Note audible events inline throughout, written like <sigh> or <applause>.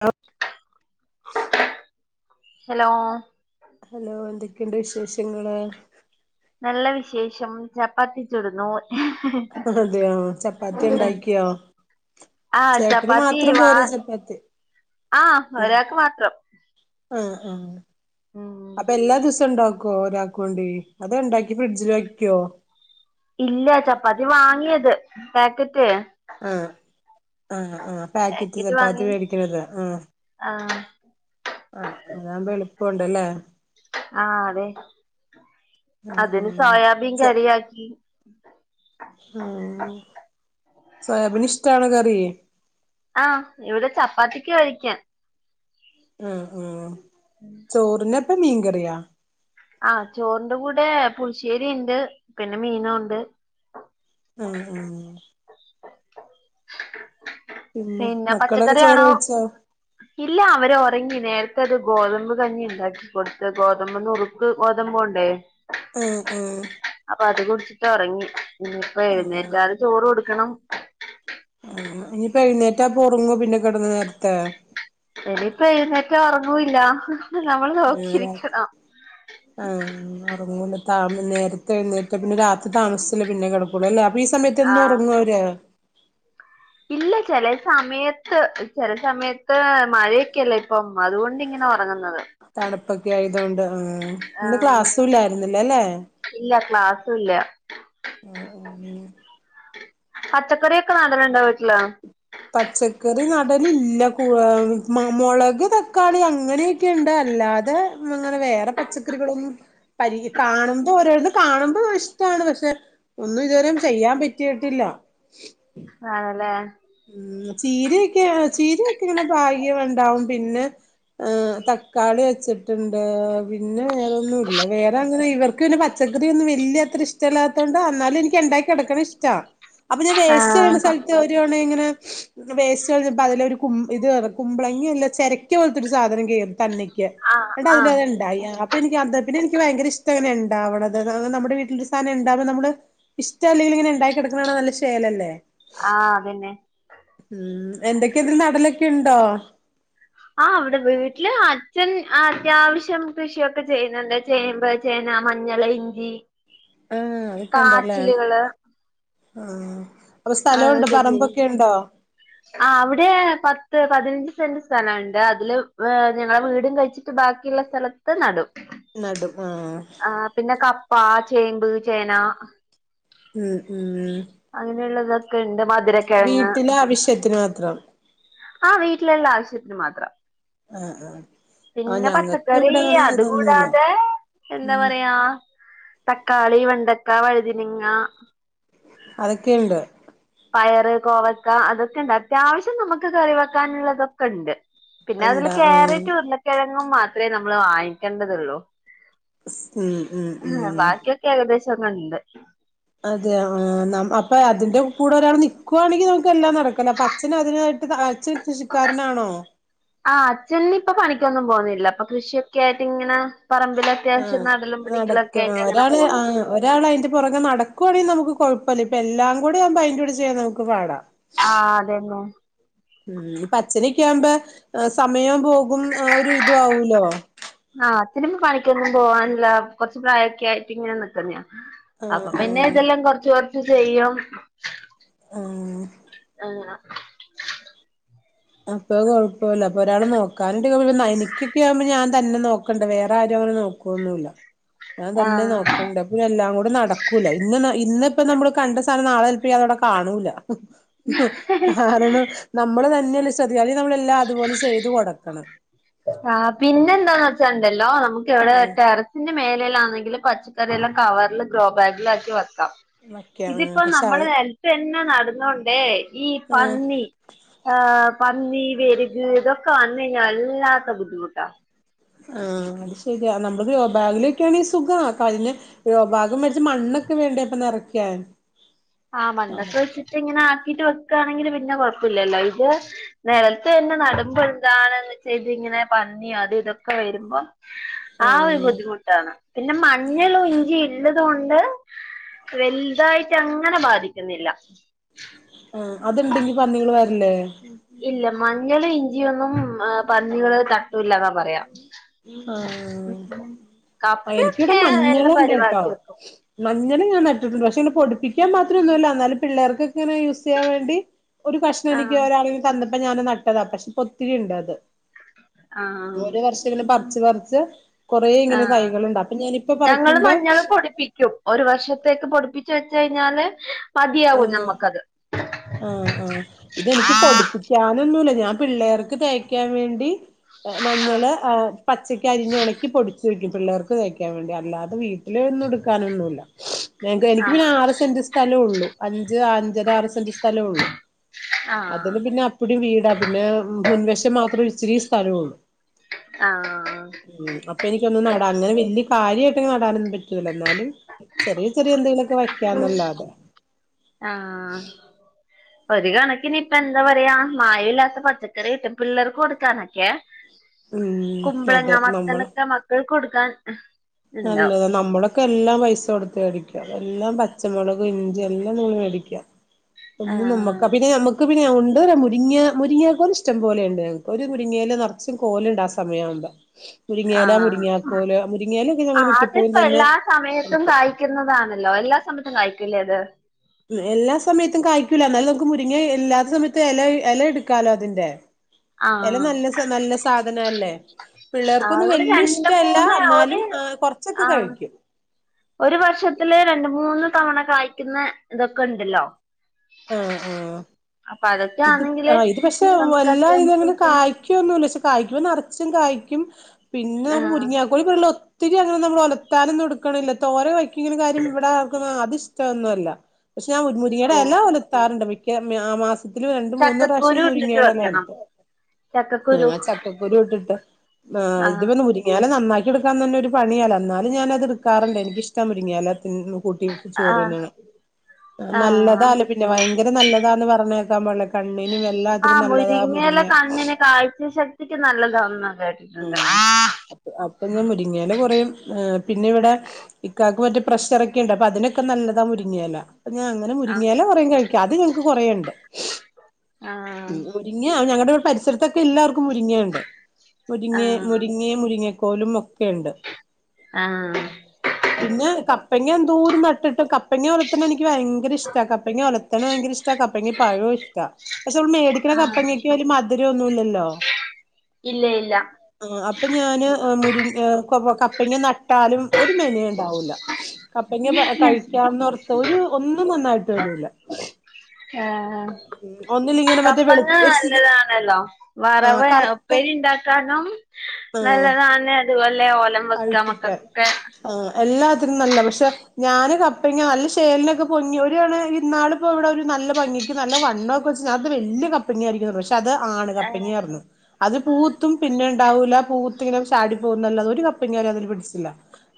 അ hello hello എന്തൊക്കെയുണ്ട് വിശേഷങ്ങള് നല്ല വിശേഷം ചപ്പാത്തി ചുടുന്നു ആഹ് അതെയോ ചപ്പാത്തി ഉണ്ടാക്കിയോ ആഹ് ചേട്ടന് ചപ്പാത്തി മാത്രം വാ പോര ചപ്പാത്തി ആഹ് ഉം ഒരാക്ക് മാത്രം ആഹ് ആഹ് ഉം അപ്പൊ എല്ലാ ദിവസം ഉണ്ടാക്കുവോ ഒരാക്ക് വേണ്ടി അതോ ഉണ്ടാക്കി ഫ്രിഡ്ജിൽ വയ്ക്കോ ഇല്ല ചപ്പാത്തി വാങ്ങിയത് പാക്കറ്റ് ആഹ് ആ ആ പാക്കറ്റ് ചപ്പാത്തി മേടിക്ക്ണത് ആ ആഹ് ആഹ് അതാവുമ്പോ എളുപ്പുണ്ടല്ലേ ആ അതെ ആഹ് അതിന് ആഹ് സോയാബീൻ സ കറി യാക്കി ആ സോയാബീൻ ഇഷ്ടാണോ കറി ആഹ് ഇവിടെ ചപ്പാത്തിക്ക് കഴിക്കാൻ ഉം ഉം ഉം ചോറിനെപ്പം മീൻകറിയാ ആഹ് ചോറിന്റെ കൂടെ പുളിശ്ശേരി ഉണ്ട് പിന്നെ മീനുണ്ട് ഉം ഉം പിന്നെ മക്കളൊക്കെ പച്ചക്കറി ചോറ് ആണോ കഴിച്ചോ ഇല്ല അവര് ഉറങ്ങി നേരത്തെ അത് ഗോതമ്പ് കഞ്ഞി ഉണ്ടാക്കി കൊടുത്ത് ഗോതമ്പ് നുറുക്ക് ഗോതമ്പോണ്ടേ ഉം ഉം അപ്പൊ അത് കുടിച്ചിട്ട് ഉറങ്ങി ഇനി ഇപ്പോ എഴുന്നേറ്റാല് ചോറ് കൊടുക്കണം ആഹ് ഇനിയിപ്പോ എഴുന്നേറ്റാ അപൊറങ്ങോ പിന്നെ കിടന്ന് നേരത്തെ ഇനിയിപ്പോ എഴുന്നേറ്റാ ഉറങ്ങൂല്ലാ നമ്മൾ നോക്കിയിരിക്കണം ഉം ഉറങ്ങുലെ താം നേരത്തെയ്ന്നേറ്റ് പിന്നെ രാത്രി താമസിച്ചല്ലേ പിന്നെ കിടകൊള്ളു അല്ലാ അപ്പൊ ഈ സമയത്ത് എന്നും ആഹ് ഉറങ്ങോ അവര് ഇല്ല ചില സമയത്ത് ചില സമയത്ത് മഴയൊക്കെയല്ലേ ഇപ്പം അതുകൊണ്ടിങ്ങനെ ഉറങ്ങുന്നത് തണുപ്പൊക്കെ ആയതുകൊണ്ട് ആ ഇന്ന് ആഹ് ക്ലാസുല്ലായിരുന്നില്ല ലെ ഇല്ല ക്ലാസുല്ല ആഹ് ഉം പച്ചക്കറി ഒക്കെ നടൽ ഉണ്ടോ വീട്ടിൽ പച്ചക്കറി നടലില്ല കുറ മുളക് തക്കാളി അങ്ങനെ ക്കെണ്ട് അല്ലാതെ അങ്ങനെ വേറെ പച്ചക്കറികളൊന്നും പരില് കാണുമ്പോൾ ഒരാൾത് കാണുമ്പോ ഇഷ്ടമാണ് പക്ഷെ ഒന്നും ഇതുവരും ചെയ്യാൻ പറ്റിയിട്ടില്ല ആണല്ലേ ഉം ചീരയൊക്കെ ചീരയക്കെ ഇങ്ങനെ പാഗ്യംണ്ടാവും പിന്നെ ആ തക്കാളി വച്ചിട്ടുണ്ട് പിന്നെ വേറെൊന്നുംല്ല വേറെ അങ്ങനെ ഇവർ ക്ക് പച്ചക്കറി ഒന്നും വലിയ അത്ര ഇഷ്ടല്ലാത്തോണ്ട് എന്നാലും എനിക്ക് ഉണ്ടാക്കി കൊടുക്ക്ണേ ഇഷ്ട്ടാ അപ്പൊ ഞാൻ വേസ്റ്റ് ആഹ് എറിയുന്ന സ്ഥലത്ത് ഒരു തവണ ഇങ്ങനെ വേസ്റ്റ് കഞ്ഞപ്പോ അതില ഒരു കും ഇത് കുമ്പളങ്ങിയല്ല ചരക്ക പോലത്തെ ഒരു സാധനം കയറി തന്നയ് ക്യാ ആഹ് ന്ന്ട്ട് ആഹ് അതിലത് ണ്ടായി അപ്പ എനിക്ക് അത് പിന്നെ എക്ക് ഭയങ്കര ഇഷ്ടയിണ്ടാവണത് നമ്മുടെ വീട്ടില ഒരു സാധനം ഉണ്ടാവുമ്പോ നമ്മള് ഇഷ്ട അല്ലെങ്കിലും ഇങ്ങനെ ഉണ്ടായി ക്കിടക്ക്ണ കാണാൻ നല്ല ചേലല്ലേ ആഹ് അതന്നെ ഉം എന്തൊക്കെ ഇതിൽ നടലൊക്കെ ഉണ്ടോ ആ അവിടെ വീട്ടില് അച്ഛൻ അത്യാവശ്യം കൃഷിയൊക്കെ ചെയ്യുന്നുണ്ട് ചേമ്പ് ചേന മഞ്ഞള് ഇഞ്ചി ഉം അതക്കെണ്ടല്ലേ കാച്ചിലുകള് ആഹ് അപ്പൊ ആഹ് സ്ഥലമുണ്ട് അതൊക്കെ ചെയ്യും പറമ്പൊക്കെ <inaudible> ആ അവിടെ പത്ത് പതിനഞ്ച് സെന്റ് സ്ഥലംണ്ട് അതില് ഞങ്ങളെ വീടും കഴിച്ചിട്ട് ബാക്കിയുള്ള സ്ഥല ത്ത്നടും നടും ആഹ് ആ പിന്നെ കപ്പ ചേമ്പ് ചേന ആഹ് ആഹ് അങ്ങനെയുള്ളതൊക്കെ ണ്ട് മധുര വീട്ടിലെ ആവശ്യത്തിന് മാത്രം ആഹ് വീട്ടിലുള്ള ആവശ്യത്തിന് മാത്രം ആഹ് ആഹ് ആഹ് പിന്നെ ഞങ്ങൾക്ക് പച്ചക്കറി ഇവിടെ അങ്ങനെ ഇതൊന്നുല്ല അതുകൂടാതെ എന്താ ഉം പറയാ തക്കാളി വെണ്ടക്ക വഴുതിനങ്ങ അതക്കെണ്ട് പയറ് കോവക്ക അതൊക്കെണ്ട് അത്യാവിശ്യം നമുക്ക് കറി വെക്കാനുള്ളതൊക്കെ ണ്ട് പിന്നെ അതില് ഉണ്ടാ ആഹ് ക്യാരറ്റ് വന്ന് കിഴങ്ങും മാത്ര നമ്മള് വാങ്ങിക്കേണ്ടതള്ളൂ ഉം ഉം ഉം ബാക്കിയൊക്കെ ക്കെ ഏകദേശംക്കെ ണ്ട് അതെ ആ അപ്പൊ അതിന്റെ കൂടെ ഒരാൾ നൽക്കുവാണെങ്കിൽ നമുക്ക് എല്ലാം നടക്കല്ലോ അപ്പൊ അച്ഛന് അതിനായിട്ട് അച്ഛൻ കൃഷിക്കാരനാണോ ആഹ് അച്ഛനി ഇപ്പൊ പണിക്കൊന്നും പോന്നില്ല അപ്പൊ കൃഷിയൊക്കെ ആയിട്ട് ഇങ്ങനെ പറമ്പില ആഹ് അത്യാവശ്യം നടലും പിടിക്കലും ഒക്കൊയിട്ട് അങ്ങനെ പോകുന്നു ഒരാൾ അതിന്റെ പുറകെ നടക്കുണെങ്കി നമുക്ക് കുഴപ്പമില്ല ഇപ്പ എല്ലാം കൂടെ വുമ്പം അയിന്റെ ടെ ചെയ്യാ നമുക്ക് പാടാ ആഹ് അതെ ന്നു ഉം അച്ഛനൊക്കെആവുമ്പോ സമയം പോകും ഒരു ഇതു ആവൂലോ ആഹ് അച്ഛനിപ്പം പണിക്കൊന്നും പോവാനില്ല കൊറച്ച് പ്രായൊക്കെ ആയിട്ട് ഇങ്ങനെ നിക്കുന്ന ആഹ് അപ്പൊ പിന്നെ ആഹ് ഇതെല്ലാം കൊറച്ച് കൊറച്ച് ചെയ്യും ആഹ് അങ്ങന അപ്പൊ കുഴപ്പല്ല അപ്പൊ ഒരാൾ നോക്കാനിട്ട് പ്പം പിന്നെഎനിക്കൊക്ക ആവുമ്പോ ഞാൻ തന്നെ നോക്കണ്ട വേറെ ആരുംങ്ങനെ നോ കൊന്നുല്ല്യ ഞാൻ ആ തന്നെ നോക്കണ്ടേ ഇ എല്ലാം കൂടി നടക്കൂല്ല ഇന്ന് ഇന്ന ഇപ്പ നമ്മള് കണ്ട സധനം നാളെ എൽപ്പ ഇയാള അവിടെ കാണൂല്ല കാരണം നമ്മള് തന്നെയല്ല <unintelligible> നമ്മൾ എല്ലാ അതുപോലെ ചെയ്തു കൊടുക്കണം ആഹ് പിന്നെ എന്താന്ന് വെച്ചാണ്ടല്ലോ നമുക്ക് ഇവിടെ ഉം ടെറ സിന്റെ മേലയിലാണെങ്കിലും പച്ചക്കറി ല്ലാം കവറില് ഗ്രോ ബാഗിലാക്കി വയ്ക്കാം വയ്ക്ക ഉം ഇതിപ്പോ പക്ഷെ നമ്മള് അത് നൽത്തന്നെ നട്ന്നോണ്ടേ ഈ ആഹ് പന്നി ആഹ് പന്നി വെരുക് ഇതൊക്കെ വന്നു കഴിഞ്ഞ വല്ലാത്ത ബുദ്ധിമുട്ടാ ആഹ് അത് ശരിയാ നമ്മുക്ക് ഗ്രോ ബാഗിലൊക്കെയാണെ സുഖാ കഴിഞ് ഗ്രോ ഭാ ഗു വെച്ച് മണ്ണൊക്കെ വേണ്ടയിപ്പം നിറയ്ക്കാൻ ആഹ് മണ്ണക്കെ വെച്ചിട്ട് ഇങ്ങനെ ആക്കീട്ട് വെക്കയാണെങ്കി പിന്നെ കൊഴപ്പല്ലല്ലോ ഇത് നലത്ത് തന്നെ നടുമ്പോ എന്താണ് ന്ന് ഇത് ഇങ്ങനെ പന്നിയോ അത് ഇതൊക്കെ വരുമ്പോ ആ ഒരു ബുദ്ധിമു ട്ടാണ് പിന്നെ മഞ്ഞൾ ഇഞ്ചി ഇള്ളത് കൊണ്ട് വലുതായിട്ട് അങ്ങ് അങ്ങനെ ബാധിക്കുന്നില്ല ആഹ് അത്ണ്ടെങ്കി പന്നികൾ വരില്ലേ ഇല്ല മഞ്ഞൾ ഇഞ്ചിയൊന്നും പന്നികള് തട്ടൂല്ല ക ആഹ്എനിക്കിടെ കപ്പയൊക്കെ എല്ലാം മഞ്ഞളുണ്ട് കേട്ടോ പരിവാക്കി വെക്കും മഞ്ഞളും ഞാൻ നട്ടിട്ടുണ്ട് പക്ഷെ ങ്ങനെ പൊടിപ്പിക്കാൻ മാത്ര ഒന്നുല്ല ന്നാലും പിള്ളേർക്ക് ഇങ്ങനെ യൂസ് ചെയ്യാൻ വേണ്ടി ഒരു കഷ്ണം എനിക്ക് ആഹ് ഒരാള് ങ്ങ് തന്നപ്പോ ഞാൻ നട്ടതാ പക്ഷെ പ്പം ഒത്തിരി ണ്ട് അത് ആഹ് ഓരോ വർഷം ഇങ്ങനെ പറി ച്ച് പറി ച്ച് കൊറെേ ഇങ്ങനെ ആഹ് തൈകളുണ്ട് അപ്പൊ ഞാനിപ്പ ഞങ്ങള് പറിക്കുമ്പോ മഞ്ഞള് പൊടിപ്പിക്കും ഒരു വർഷത്തേക്ക് പൊടിപ്പിച്ച് വെച്ച കഴിഞ്ഞാല് മതിയാവും നമ്മക്കത് ആഹ്ആഹ് ഇതെനിക്ക് ആഹ് പൊഠിപ്പിക്കാനൊന്നുമല്ല ഞാൻ പിള്ളേർക്ക് തേക്കാൻ വേണ്ടി മഞ്ഞള് പച്ചക്ക് അരിഞ്ഞുണക്കി പൊടിച്ചു വെയ്ക്കും പിള്ളേർക്ക് തേയ്ക്കാൻ വേണ്ടി അല്ലാതെ വീട്ട അ ഒന്നും എടുക്കാനൊന്നുമല്ല എനിക്ക് പിന്നെ ആഹ് ആറ് സെന്റ് സ്ഥലംള്ളു. അഞ്ച് അഞ്ചര ആറ് സെന്റ് സ്ഥലംള്ളു അതില് പിന്നെ ഇപ്പ്ടി വീടാ പിന്നെ മുൻവശം മാത്രൊ ഇച്ചരി സ്ഥലഒള്ളൂ ആഹ് ഉം അപ്പ എനിക്കൊന്നും നടാന് വല്ല്യ കാര്യായിട്ട് നടാനൊന്നും പറ്റൂല ന്നാലും ചെറിയ ചെറിയ എന്തെങ്കിലുക്കെ വയ്ക്കാന്നല്ലാതെ ആഹ് ഒരു കണക്കിനിയിപ്പന്താ പറയാ മായ ഇല്ലാത്ത പച്ചക്കറി കിട്ടും പിള്ളേർക്ക് കൊടുക്കാനൊക്കെ <inaudible> ഉം കുമ്പളങ്ങ അതെ നമ്മള് മത്തനൊക്കെ മക്കൾ കൊടുക്കാൻ ഉണ്ടാവും നല്ലതാ നമ്മള് ക്കെല്ലാം പൈസടുത്ത് വേടിക്കാം എല്ലാം പച്ചമുളക് ഇഞ്ചി എല്ലാം ങ്ങള് വേ ടിക്കാ ഒന്ന് നമ്മക്ക ആഹ് പിന്നെ നമക്ക് ക്ക് പിന്നെ ഉണ്ട് മുരിങ്ങ മുരിങ്യാക്കോൽ ഇഷ്ടം പോലെയണ്ട് ഞങ്ങക്ക് ഒരു മുരിങ്ങയല് നർച്ചും കോല്ടാ സമയാവുമ്പ മുരിങ്ങയലാ മുരിങ്ങിയക്കോല് മുരിങ്ങിയല ആ അത്പ്പോ എല്ലാ സമയത്തും കായ്ക്കുന്നതാണല്ലോ എല്ലാ സമയത്തും കായ്ക്കല്ലെ അത് എല്ലാ സമയത്തും കായ്ക്കൂല ന്നാലും നമുക്ക് മുരിങ്ങ ഇല്ലാത്ത സമയത്തും എല എല എടുക്കാലോ അതിന്റെ എല ആഹ് നല്ല നല്ല സാധനല്ലേ ആഹ് പിള്ളേർക്കൊന്നും ഇവിടെ വല്ല്യ രണ്ട് ഇഷ്ടല്ല മൂന്ന് ഒരു ന്നാലും അ കുറച്ചൊക്കെ ആഹ് കഴിക്കും ഒരു വർഷത്തില് രണ്ട് മൂന്ന് തവണ കായ്ക്കുന്ന ഇതൊക്കെ ഇണ്ടല്ലോ ആഹ് ആഹ് അതൊക്കെ ഇത് ആണെങ്കില് ഇത് പക്ഷെ നമുക്ക് വല്ലാ അത്യാവശ്യം ഇതെങ്കിലും കായ് ക്യോന്നൂല്ല പക്ഷെ കായ്ക്കുനറച്ചും കായ്ക്യും പിന്നെ ന ആഹ് മുരിങ്ങ ഒരു കൊരുള് ഒത്തിരി അങ്ങനെ നമ്മള് ഒലത്താനൊന്നും എടുക്ക്ണില്ല തോരൻ വെക്കിങ്കില് കാര്യം ഇവിടെ ആറ്ക്ക്ണൊ അതിഷ് ച്ചൊന്നുല്ല പക്ഷെ ഞാൻ മുരിങ്ങിയടെ ഓ എല ഒലത്താറുണ്ട് മിക്ക മ്യാ മാസ് ത്തില് രണ്ട് മൂന്നു പ്രവിശം ചക്കക്കുരു ഇട്ടിട്ട് മുരിങ്ങിയടല വെക്കണം ഒലത്തും ഉം ചക്കക്കുരു ആ ചക്കക്കുരു ഇട്ടിട്ട് ആ ആഹ് ഇതിമ്മന്ന് മുരി ങ്ങല നന്നാക്കിടുക്കാന്നന്നെ ഒരു പണിയാ എന്നാലും ഞാനത് എടുക്കാറുണ്ട് എനിക്ക്ഷ്ടാ മുരിങ്ങിയല തിന്ന് ക്കൂട്ടിൻക് ആഹ് ചോറ്ങ്ങ്ണ് ആഹ് നല്ലതാല്ലെ പിന്നെ ഭയങ്കര നല്ലതാന്ന് പറഞ്ഞെക്കാ പാട കണ്ണിനു വെല്ല ആഹ് മുരിങ്ങയില കണ്ണിന് കാഴ്ച ശക്തിക്ക് നല്ലതാന്ന കേ ഉം അപ്പൊ ഞാൻ മുരിങ്ങില കുറേം പിന്നെ ഇവിടെ ഇക്കാക്ക് മറ്റ പ്രഷറൊക്കെണ്ട് അപ്പ അതിനൊക്കെ നല്ലതാ മുരിങ്ങയല ഇപ്പ ഞാൻ അങ്ങനെ മുരിങ്ങയല വെ <unintelligible> കഴിക്കാ അത് ഞങ്ങക്ക് കുറേണ്ട് ആഹ് ഉം മുരിങ്ങ ഞങ്ങടെ ഇവിടെ പരിസരത്തൊക്കെ എല്ലാർക്കും മുരിങ്ങയണ്ട് മുരിങ്ങെ ആഹ് മുരിങ്ങെ മുരിങ്ങെ കോലും ഒക്കെയുണ്ട്. ആഹ് പിന്നെ കപ്പങ്ങ എന്തൂരം നട്ടിട്ടും കപ്പങ്ങ വളർത്ത്ണനിക്ക് ഭയങ്കര ഇഷ്ട കപ്പങ്ങല ത്തണ് ഭയങ്കര ഇഷ്ട കപ്പങ്ങ പഴോ ഇഷ്ട പക്ഷെ നമ്മള് മേടിക്ക്ണ ആഹ് കപ്പങ്ങക്ക് ഒരു മധുരൊന്നുല്ല ഇല്ല ഇല്ല ആഹ് അപ്പ ഞാന് മുരി കപ്പങ്ങ നട്ടാലും ഒരു മെനേ ഉണ്ടാവൂല്ല കപ്പങ്ങ പ കഴി ക്യാന്നോർത്ത് ഒരു ഒന്നും നന്നായിട്ട് വരൂല ആഹ് ഒന്നിലിങ്ങനെ മറ്റേ വെളു കപ്പങ്ങ ഒരു നല്ലതാണല്ലോ? ആ വറവ് കറുത്ത ഉപ്പേരി ഇണ്ടാക്കാനും നല്ലതാണ് അതുപോലെ ഒലം അഴുപ്പിക്കാൻ ആഹ് എല്ലാത്തിനും നല്ല പക്ഷെ ഞാന് കപ്പങ്ങ നല്ല ശേലിനൊക്കെ പൊങ്ങി ഒയാണ് ഇന്നാളിപ്പോ ഇവിടെ ഒരു നല്ല ഭംഗി ക്ക് നല്ല വണ്ണക്കെ വെച്ച് വല്ല്യ കപ്പങ്ങായിരിക്കുന്നു പക്ഷെ അത് ആണ് ഏഹ് കപ്പങ്ങിറന്നു അത് പൂത്തും പിന്നെ ഇണ്ടാവൂല പൂത്തിങ്ങനെ ചാടി പോകുന്നല്ലതെ ഒരു ക പ്പങ്ങ അതില് പിടിച്ചില്ല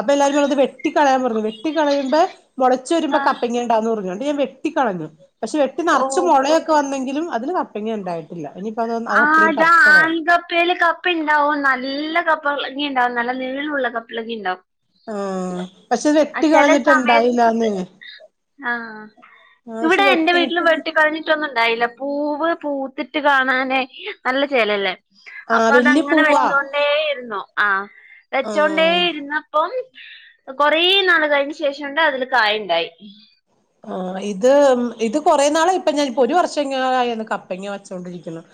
അപ്പൊല്ലാരുംപറത് വെ ട്ടിക്കളയാൻ പറഞ്ഞു വെട്ടിക്കളയുബേ മുളച്ചു വരുമ്പോ ആഹ് കപ്പങ്ങ ഉണ്ടാവുന്ന് പറഞ്ഞു ന്നിട്ട് ഞാ വെട്ടിക്കളഞ്ഞു പക്ഷെ വെട്ടി നർച്ച് ഓഹ് മുളയൊക്കെ വന്നെങ്കിലും അതില് കപ്പങ്ങ ഉണ്ടായിട്ടില്ല ഇനി ആതാ ആംഗപ്പെല് കപ് പ്പണ്ടാവും നല്ല കപ്ലങ്ങേണ്ടാവും നല്ല നീളള്ള കപ്ലങേമ്ണ്ടാവും ആ പക്ഷെ വെട്ടികളഞ്ഞിട്ട്ണ്ടായില്ലന്ന് ആഹ ഇവിടെ എന്റെ വെട്ടിലും വെട്ടിയിട്ടും വെട്ടിക്കളഞ്ഞി ക്കൊന്നുംണ്ടായില്ല പൂവ് പൂത്തിട്ട് കാണാനേ നല്ല ചേലല്ലേ ആഹ് വല്യ അപ്പതങ്ങനെ പൂവാ വെച്ചോണ്ടേയിരുന്നു ആഹ് ആഹ് വെച്ചോണ്ടേയിരുന്ന ഓം കൊറെ നാള് കഴിഞ്ഞന്ശേഷണ്ട് അതില് കായണ്ടായി ആഹ ഇത് ഇത് കൊറെ നാളായ് ഇപ്പഞൻ ഒരു വർഷംങ്ങോലായി കപ്പ ങ്ങ വച്ചോണ്ട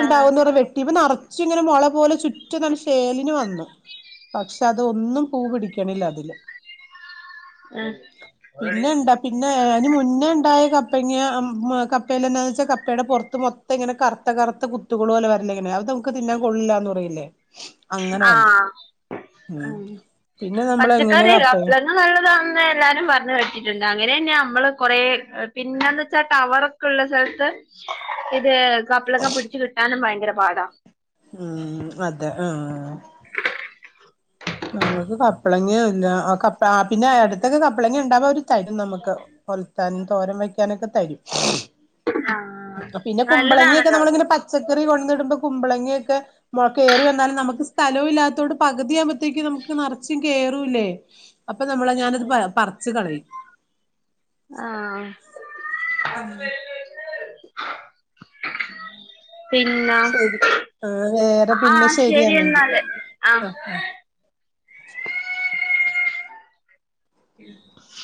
ആ വെട്ടീപ്പനറ ചിരിങ്ങനെ മൊളപോലെ ചുറ്റ്നല്ല ശേലിന് വന്നു പക്ഷെ അതൊന്നും പൂ പിടിക്കണില്ലതില് പിന്നെണ്ട പിന്നെഅയ്ന് മുന്നേണ്ടായ കപ്പങ്യാ മ് കപ്പേലെന്നാന്ന് വെച്ചാ കപ്പേടെ പൊറത്ത് മൊത്തം തെങ്ങനെ കറ്ത്തകറ്ത്ത കുത്തുകളോലെ വരല്ലേങ്ങനെ അതമക്ക് തിന്നാ കൊള്ളില്ലെന്ന് പറയലില്ലേ.. ആഹ ഉം ഹ് പിന്നെ നമ്മള് എങ്ങനെ പച്ചക്കറില്ലേ കപ്പ <unintelligible> ആ നല്ലതാന്ന് എല്ലാരും പറഞ്ഞ കേട്ടിട്ട്ണ്ട് അങ്ങനെന്നമ്മള് കൊറെ പിന്നെന്ത് ച്ചാ ടവർ ക്ക്ള്ള സ്ഥലത്ത് ഇത് കപ്ലളങ്ങ പിടച്ച് കിട്ടാനും ഭയങ്കര പാടാ ഉം അതെ ആഹ് <inaudible> ഞങ്ങക്ക് കപ്പളങ്ങീല്ല ആഹ് ആ പിന്നെ അടുത്തൊക്കെ കപ്പളങ്ങണ്ടാവൊര് തരും നമ്മക്ക് കൊലത്താനും തോരം വെ ക്കാനക്കതരും അ പിന്നാകുമ്പളങ്ങിക്കെ നല്ലതാണല്ലോ അത് നമ്മള്ങ്ങനെ പച്ചക്കറി കൊണ്ടന്നിടുമ്പോ കുമ്പളിങ്ങിയൊക്കെ കേറി വന്നാലും നമുക്ക് സ്ഥലോല്ലാത്തോണ്ട് പകുതിയാവു ത്തേക്ക് നമക്ക് നെറച്ചും കേറൂലെ അപ്പനമ്മളെ ഞാനത് പറച്ച് കളയും ആഹ മ് പിന്നെ ശരി ആ വേറെ പിന്നെ ആഹ് ശരി ശരിയെന്നെങ്കി എന്നാല് ആഹ ആ ആഹ് <unintelligible>